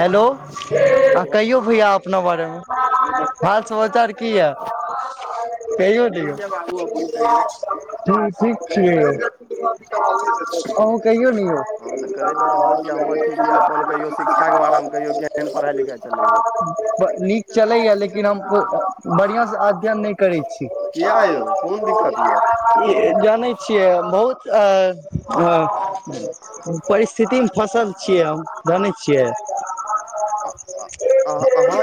Hello हँ कहियौ भैया अपना बारे म हाल समाचार की य कहियो हू ओ अपन कहियौ ठीक छियै अहु कहिये हम तऽ कहि तऽ रहल छी हमर [unintelligible] [unintelligible] ठीक यऽ अपन कहियौ शिक्षाके बारेमे कहियौ केहन पढ़ाइ लिखाइ चलैया नीक चलैया लेकिन हम बढ़ियां से अध्यन नहि करै छी किया यौ कोन दिक्कत यऽ जानै छियै बहुत आ ओ आ परिस्थितिमे फसल छियै हम जानै छियै [unintelligible]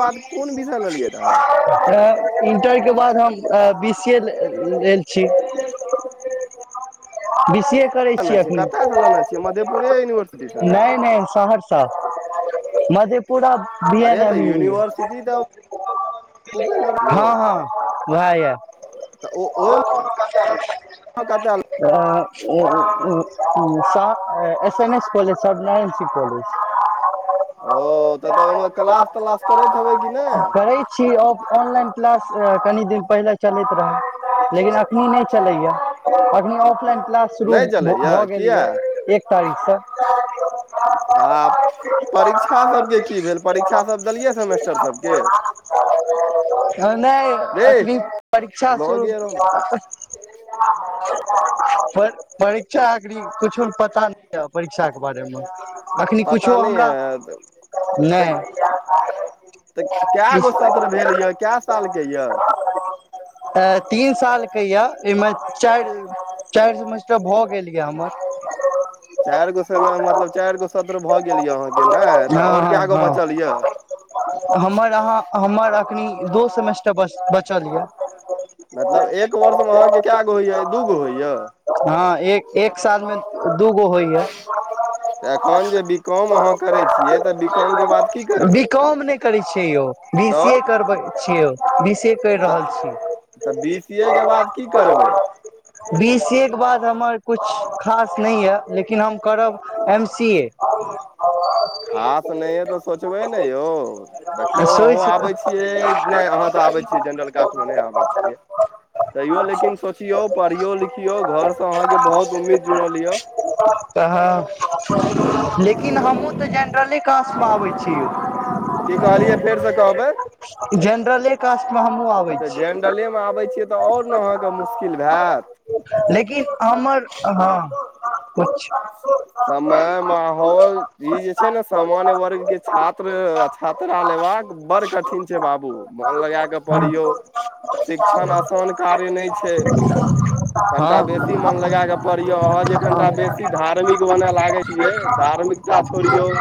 बाद कोन विषय लेलियै रहए इंटर के बाद हम बी सी ए लेल छी विश कतयसँ लेने छिय मधेपुरे यूनिवर्सि नहि नहि सहरसा मधेपुरा बी एन अरे एम तऽ यु यूनिवर्सिटी तऽ भूपेन्द्र यौ हँ हँ भए तऽ ओहिमे कतय गैल एस एन एस सब नहि सिखयले छी ओ तऽ तऽ ओहिमे क्लास तलास करैत हेबै कि नहि करै छी ऑनलाइन क्लास कनि दिन पहिले पहिले चलैत रहय लेकिन एखनी नै चलैया अखनी ऑफलाइन क्लास शुरू नहि चलैया भऽ गेल किया यै एक तारीखसे आ परीक्षा सबके की भेल परीक्षा सब देलियै सेमेस्टर सबके [unintelligible] [unintelligible] रे अखरी परीक्षा शुरू लगे रहलौ परीक्षा एखनी कुछो पता नहि यै परीक्षाक ओ बारे मे अखनी पता कुछो नहि हमरा य तऽ नहि तऽ कए गो सत्र भेल यए कए सालके यए [unintelligible] अ तीन साल के यऽ ओहिमे चारि चारि सेमेस्टर तऽ भऽ गेल यै हमर चारि गो समय मतलब चाइर गो सत्र भऽ गेल यए अहाँके नहि तऽ हँ और कए गो बचल यए हमर अहाँ हमर अखनी दो सेमेस्टर बस बचल यए मतलब एक वर्ष मे अहाँके कैगो होइए दू गो होइय हँ एक एक साथमे दूगो होइए तऽ एखन जे बी कॉम अहाँ करै छियै तऽ बी कॉम के बाद की बी करबै कॉम नहि करै छियै यौ बी सी ए तऽ करबै छियौ कहि रहल तऽ छी बी सी ए के बाद की करबै बीसीए के बाद हमर कुछ खास नहि य लेकिन हम करब एमसीए हाथ नै ये तऽ सोचबै न यौ देखियौ अहुँ आबै छि यै नहि अहाँ त आबै छियै जनरल कास्टमे नहि आबै छियै तैयो लेकिन सोचियौ पढ़ियौ लिखियौ घरसं अहाँके बहुत उम्मीद जुड़ल यए तहन लेकिन हमहुँ तऽ जेनरले कास्टमे आबै छी यौ की कहलियै फेर से कहबै जेनरले कास्टमे हमहूँ आबै जनरलेमे आबै छियै त आओर ने अहाँके मुश्किल भैत लेकिन हमर हँ कुछ समय माहौल ई जे छै न सामान्य वर्ग के छात्र [inaudible] [unintelligible] लेबाक बड़ कठिन छै बाबू मन लगा कऽ पढ़ियौ शिक्षण आसान कार्य नहि छै हँ कनिटा हँ बेसी मन लगा कऽ पढ़ियौ अहाँ जे कनिटा बेसी धार्मिक बनय लागै छियै धार्मिकता छोड़ियौ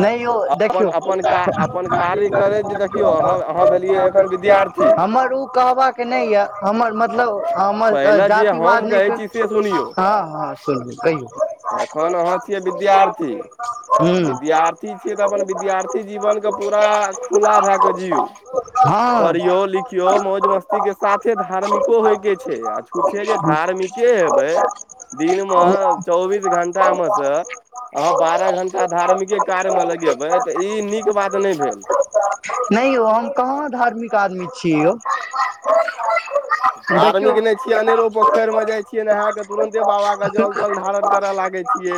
नै यौ अपन देखियौ अपन का अपन कार्य करैत जे देखियौ अहाँ अहाँ भेलियै एखन विद्यार्थी हमर उ कहबाक नहि य हमर मतलब हमर पहिले जे जातिवाद हम नहि कहै कर छी से सुनियौ हँ हँ सुनबै कहियौ एखन अहाँ छियै विद्यार्थी ह विद्यार्थी छियै तऽ अपन विद्यार्थी जीवन के पूरा खुला भए क जियु हँ पढ़ियौ लिखियौ मौज मस्ती के साथे धार्मिको होइ के छै आ छुछे जे धार् धार्मिके हेबै दिन म चौबीस घंटा मे सँ अहाँ बारह घंटा धार्मिके कार्यमे लगेबै त ई नीक बात नहि भेल नहि यौ हम कहाँ धार्मिक आदमी छी यौ देखियौ धार्मिक नहि छियै अनेरो पोखरि मे जाइ छियै [unintelligible] नहा के तुरन्ते बाबा के जल तल धारण करऽ लागै छियै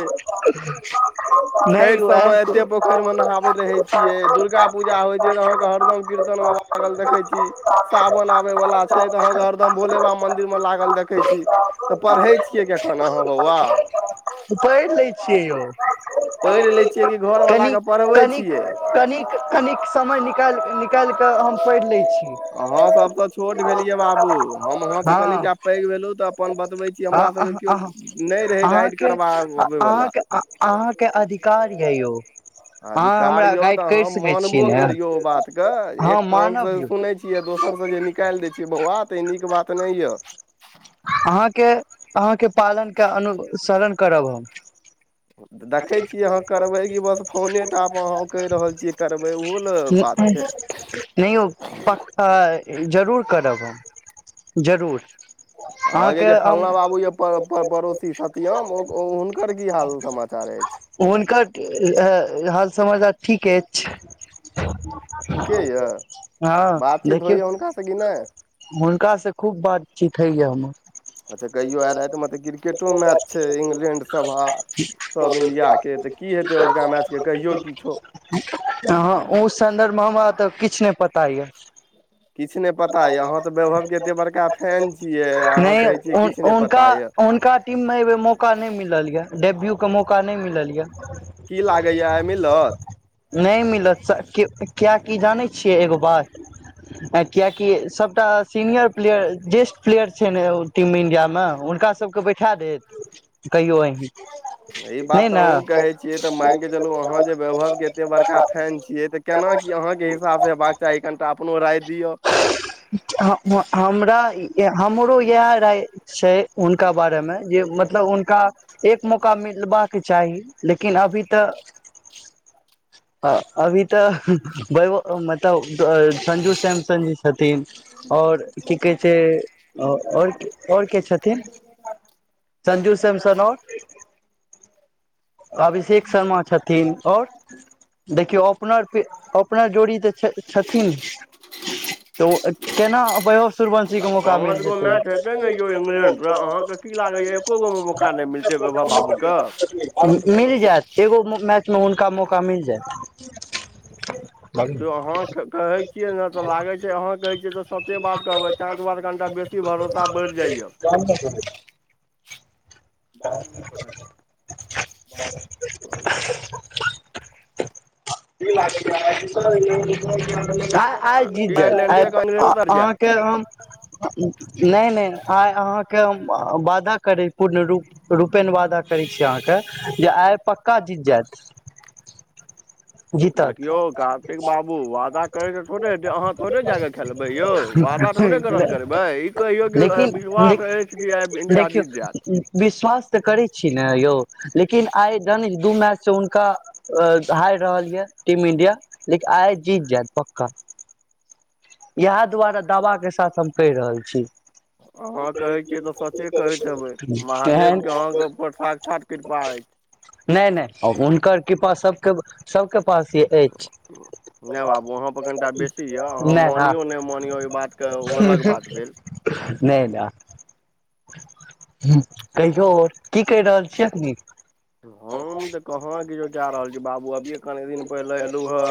नहि छठि यौ एहन सबमे को एते पोखरि मे नहाबैत रहे दुर्गा पूजा होय छै अहाँ क हरदम कीर्तनमे लागल देखै छी सावन आबै वाला छ त अहाँक हरदम भोलेबा मदिरमे लागल देखै छी तऽ पढ़े छियै क चल' ह बौआ पढ़ि लै छियै यौ पढ़ि लै छियै कि घरवला कनि के पढ़बै छियै कनिक कनिक समय निकालि निकालि कऽ हम पढ़ि लै छी अहाँ सब त छोट भेलियै बाबू हम अहाँ त हँ कनिटा पैघ भेलहु तऽ अपन बतबै छी हमरा सबके केओ अहाँ नहि रहै गाइड अहाँके करबाबै वला अहाँके अहाँके अधिकार ये यौ अहाँ अधिकार हमरा यौ गाइड त करि हम सकै छियै मानबो ने करियौ ओ बातके हँ एक मानब कानस सु सुनै छियै दोसर से जे निकालि दै छियै बौआ तऽ ई नीक बात नहि य के अहाँके पालनके अनुसरण करब हम देखै छियै अहाँ करबै कि बस फोने टा पर अहाँ कहि रहल छियै करबै ओहो ने बात छै [unintelligible] नहि यौ पक जरूर करब हम जरूर अहाँजे अहाँके जे हम फलना बाबू यै पड़ पड़ पड़ोसी सतियम हुनकर की हाल समाचार अछि हाल समचार ठीके एछ ठीके यऽ हँ बातचीत देखियौ होइए हुनकासँ कि नहि हुंनका से खूब बातचीत होइया हम अच्छा कहियो तऽ क्रिकेटो मैच छै इंग्लैंड सब आ इंडिया के तू की हेते आजुका आजुका मैच के कहियो किछो हँ ओ सन्दर्भ तऽ किछ नहि पता यै किछ नहि पता यै अहाँ तऽ वैभवके एते बड़का फैन छियै अहाँ नहि कहै छियै किछ हुनका हुनका टीममे एहि बेर मौका नहि मिलल यऽ डेब्यूके मौका नहि मिलल यऽ की लागैया आइ मिलत नहि मिलत कियाकी जानै छियै एगो बात कियाकि सबटा सीनियर प्लेयर जेस्ट प्लेयर छै ने टीम इंडिया नही हुनका सबके बैठा देत कहियो अँही ई बात तऽ अहूँ कहै छियै तऽ मान के चलू अहाँ जे वैभव के एते बड़का फैन छियै तऽ केना की अहाँके हिसाब से हेबाक चाही कनिटा अपनो राय दिय हमरा हमरो इएह राय छै हुनका बारेमे जे मतलब हुनका एक मौका मिलबाक चाही लेकिन अभी तऽ [inaudible] हँ अभी तऽ बैभव मतलब संजू सैमसन जी छथिन और की कहै छै और और के छथिन संजू सैमसन आओर अभिषेक शर्मा छथिन और देखियौ अपनाआरके ओपनर जोड़ी तऽ छै छथिन तऽ ओ केना वैभव सुरवंशी के मौका मिल जेतै कहि नै दियौ इंग्लैंड उहै आहाँके की लागैया एको गो मे मौका नहि मिलतै बैभब बाबु के मैचमे हुनका मौका मिल जैत देखियौ अहाँ कहै छियै ने तऽ लागै छै अहाँ कहै छियै तऽ सते बात कहबै तै द्वारे कनिका बेसी भरोसा बैढ़ कन [unintelligible] बारहो मिनट पर बारह मिनट कि लागैयै आइ जीतत इंग्लैंड आइ आइ जीत जैत आइ आयरलैंडे के इंग्लैंडो पक्का तर जायत। अहाँके हम नहि नहि आइ अहाँके हम बादा करै पूर्णरूप रूपेण वादा करै छी अहाँके जे आइ पक्का जीत जायत देखियौ कार्तिक बाबू वादा करै थोड़े हेतै अहाँ थोड़े जाके खेल बै यौ वादा थोड़े जीतत करल करबै ई कहियौकी विशास अछि कि आब देखियौ इंडिया जीत जायत [unintelligible] विश्वास तऽ करै छी ने यौ लेकिन आइ धण दू मैचसँ हुनका हाइर रहल यऽ टीम इंडिया लेकिन आइ जीत जैत पक्का इएह दुआरे दावाके साथ हम कहि रहल छी [inaudible] अहाँ कहै छियै तऽ सचे कहैत हेबै एहन महादेवके अहाँके ऊपर साक्षात कृपा अछि नहि नहि हुनकर कृपा सब सब सबके पास य अछि नहि बाबू अहाँ पर कनिटा बेसी यए अहाँ नहि न मानियौ नहि मानियौ ई बातके ओ अलग बात भेल [unintelligible] नहि ना कहियो की कहि रहल छियैखनी हम तऽ कहाँ किछो कय रहल छी बाबू अभिये कनी दिन पहिले एलु हे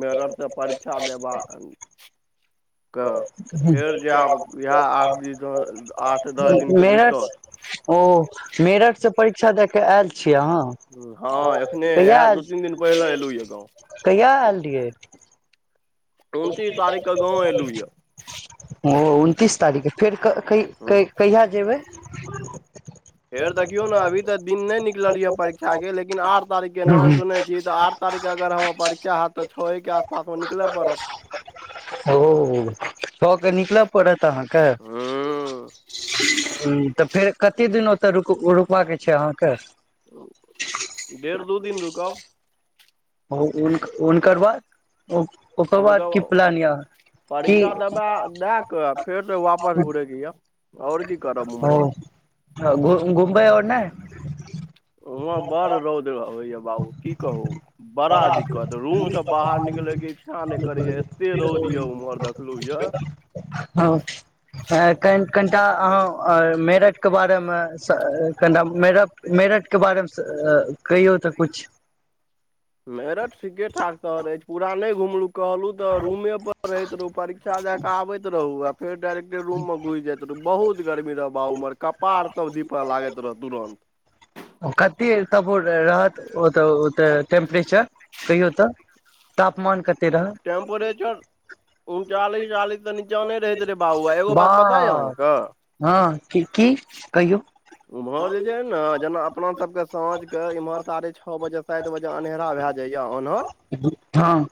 मे सब सबके परीक्षा देबा क फेर जे आब इएह आठ द आठ दस दिनके मेरठ भीतर ओ मेरठ से परीक्षा द क आयल छी अहाँ हूँ, हँ एखने कहिया इएह आयल दू तीन छि दिन पहिले एलहुँ यए गाँव कहिया आयल रहियै उनतीस तारीखके गाँव एलहुँ यए [unintelligible] ओ उनतीस तारीखके फेर ह कहिया जेबै फेर देखियौ ने अभी तऽ दिन नहि निकलल ये परीक्षा के लेकिन आठ तारीख के ओ नाम सुनै छी तऽ आठ तारीख के अग र हमर परीक्षा हयत तऽ छए के आसपास मे निकल पड़त ओ कऽ के निकल पड़त अहाँके ह ह्म तऽ फेर कते दिन ओत रु रुकबा के छै अहाँके डेढ़ दू दिन रुकब ओ उनक उनकर बाद ओ ओकर बाद की हुनकर प्लान य परीक्षा तऽ दा दा को फेर त वापस घुरे केया ओ घ घुघुमबै ओरनहि उहँ बर रौद रह बाबु की कहू बड़ा दिक्कत रूम से बाहर निकलैके ना नहि करे या एते रौद यऽ उम्हर देखलुया हँ हँ कनि कनिटा अहँ मेरठ के बारे मे से कनि मेरठ मे मेरठ के बारेमे से कहियौ तऽ कुछ मेरठ ठीके ठाक शहर अइछ पूरा नहि घुमलु कहलु तऽ रूमे पर रहैत रहु परीक्षा देय के आबत रहु आ फेर डायरेक्टे रूम मे घुसि जाइत रहु बहुत गर्मी रहय बाब उमर कपार सब धीप लागैत रहै तुरन्त कते त रहत ओऽ ओे [unintelligible] नहि छ कहियौ तऽ तापमान कते रह उन चाली चाली तऽ नीचलै रहत बात हँ की की कहियौ र उम्हर जे छै न जेना अपना सबके साँझ के इम्हर साढ़े छओ बजे सात बजे अन्हेरा भए जाइय ओन्हर हँ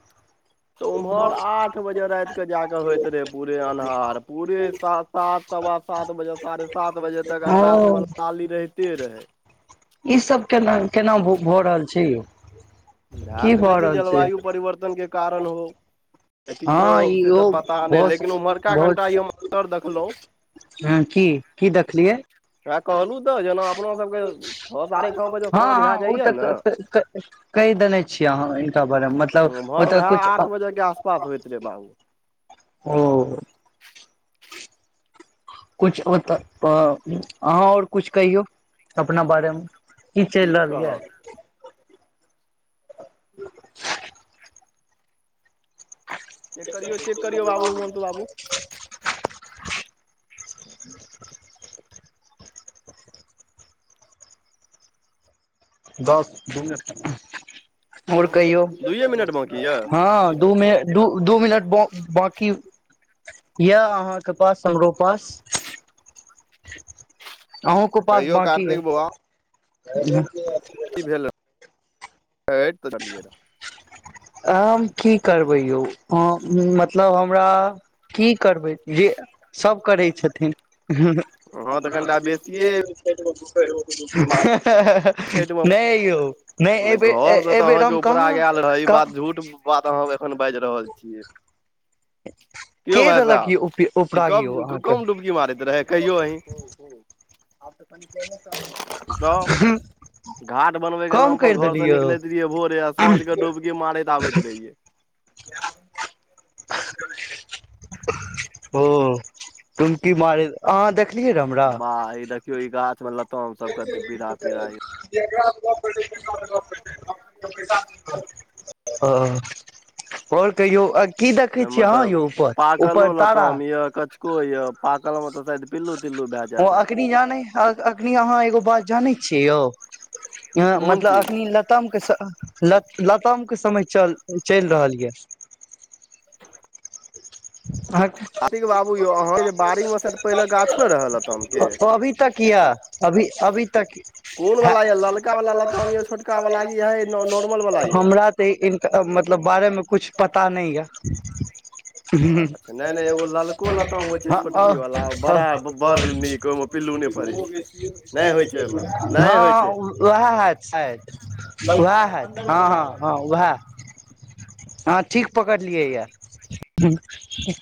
तऽ उम्हर आठ बजे राइत क जा कऽ होइत रहे पूरे अन्हार पूरे सा सात सवा सात बजे साढ़े सात बजे तक आकाश मे लाली रहिते रहे ईसब केना केना भऽ रहल छै इएह की तऽ कहै भऽ छै रहल जलवायु परिवर्तनके कारण हो या किछो हँ हो ई से ओ तऽ पता नहि बहुत लेकिन उम्हरका कनिटा ई हम बहुत असर देखलहुँ हँ की की देखलियै वएह कहलहुँ तऽ जेना अपना सबके छओ साढ़े छओ बजे हँ साँझ हँ भए ओ जाइया तऽ ने [unintelligible] के छिय अहाँ हिनका बारेमे मतलब ओतअ कुछ ये बाबु ओ कुछ ओत पर आहाँ और कुछ कहियौ अपना बारेमे की चैल रहल यऽ [unintelligible] चेक करियौ चेक करियौ बाबू हिमांशु बाबू [unintelligible] [inaudible] दस [unintelligible] और कहियौ दुइये मिनट बाकी यऽ हँ दू मिन दू दू मिनट ब बाकी यए अहाँके पास हमरो पास [unintelligible] अहूं को तऽ पास कहियो बाकी कार्तिक बौआ य करैत रहियै र हम की करबै यौ हँ मत मतलब हमरा की करबै जे सब करै छथिन हँ तऽ हमरा कनिटा बेसिये बेसिए छठिमे [unintelligible] नहियौ नहि अइबेर अहाँके उपराग आयल रहै ई बात झूठ बात अहाँ एखन बाइज रहल छीयै [inaudible] कियो भाय देलक साहब यौ ई उपरागी कब कुकुम डुबकी मारैत रहे कहियो अही [unintelligible] घाट बनबै के कम नाम करि पर घर से देलियौ निकलैत रहियै भोरे आ साँझ के डोबकी मारैत आबैत रहियै [inaudible] ओ डुमकी मारैत अहाँ देख बा इ देखियौ ई गाछ बला [unintelligible] [unintelligible] कहियौ की देखै छियै अहाँ मतलब यौ ऊपर पाकलो तारा लताम य कचको य पाकल मऽ तऽ शायद पिल्लू तिल्लू भए जैत हैत अखनी जानै अखनी अहाँ एगो बात जानै छियै यौ यह कोन मतलब चीज अखनी लताम के स लताम के समय चल चैल रहल ये [inaudible] ह आतिक बाबू यौ अहाँके जे बाड़ी मे शायद पहिले गाछो रहै लताम के अभी तक यऽ अभी अभी तक कोन हे वाला यऽ ललका वाला लताम यऽ छोटका वाला कि है नॉर्मल वाला यऽ हमरा इनका मतलब बारेमे कुछ पता नहि यऽ अच्छा हू नहि नहि एगो ललको हँ लताम होइ छै आ छोटकी वाला बड़ा हँ बड़ नीक उएह ओहिमे पिल्लू नहि पड़ै होत छै नहि साइद होइ छै ओहिमे नहि उएह होइ छै हए हँ हँ हँ उएह अँ ठीक पकड़लियै यए